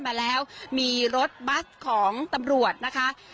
มาแล้วมีรถบัสของตำรวจนะคะ